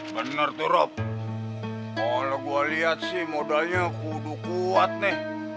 bener tuh rob kalo gua liat sih modalnya kudu kuat nih